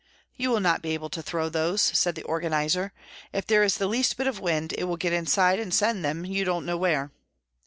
" You will not be able to throw those," said the organiser, " if there is the least bit of wind, it will get inside and send them you don't know where."